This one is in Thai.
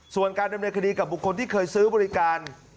ส่วนการดำเนินคดีกับบุคคลที่เคยซื้อบริการ